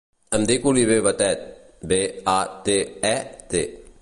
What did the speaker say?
Em dic Oliver Batet: be, a, te, e, te.